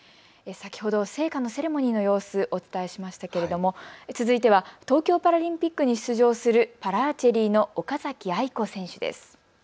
先ほど聖火のセレモニーの様子、お伝えしましたけれども、続いては東京パラリンピックに出場するパラアーチェリーの岡崎愛子選手です。